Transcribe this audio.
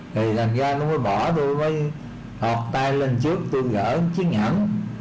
thì thành ra tôi mới bỏ tôi mới họt tay lên trước tôi gỡ chiếc nhẫn